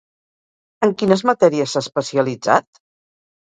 En quines matèries s'ha especialitzat?